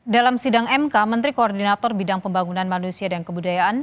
dalam sidang mk menteri koordinator bidang pembangunan manusia dan kebudayaan